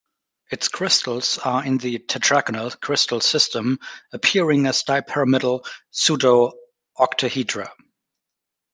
Its crystals are in the tetragonal crystal system, appearing as dipyramidal pseudo-octahedra.